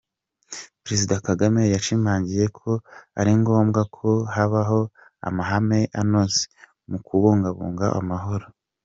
Perezida Kagame yashimangiye ko ari ngombwa ko habaho amahame anoze mu kubungabunga amahoro.